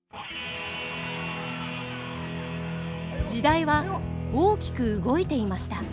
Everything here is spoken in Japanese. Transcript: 時代は大きく動いていました。